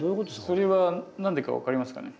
それは何でか分かりますかね？